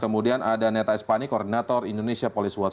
kemudian ada neta espani koordinator indonesia police watch